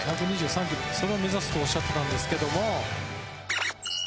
１２３キロそれを目指すとおっしゃってたんですけども。